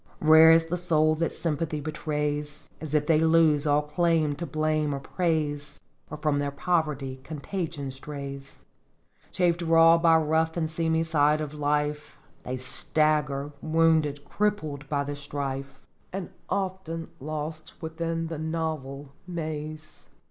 " Rare is the soul that sympathy betrays, As if they lose all claim to blame or praise, Or from their poverty contagion strays. Chafed raw by rough and seamy side of life, They stagger, wounded, crippled, by the strife, And often lost within the novel maze.